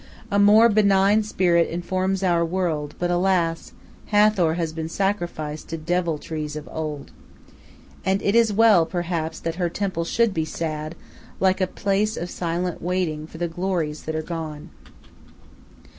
A more benign spirit informs our world, but, alas! Hathor has been sacrificed to deviltries of old. And it is well, perhaps, that her temple should be sad, like a place of silent waiting for the glories that are gone.